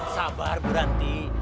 sabar bu ranti